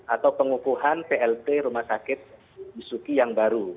atau pengukuhan plt rumah sakit bisuki yang baru